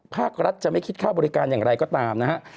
ภาครัฐจะไม่คิดค่าบริการอย่างไรก็ตามนะฮะ